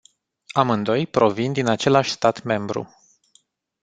Amândoi provin din același stat membru.